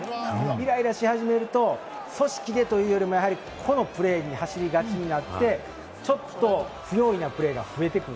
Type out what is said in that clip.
イライラし始めると組織でというよりも、個のプレーに走りがちになって、ちょっと不用意なプレーが増えてくる。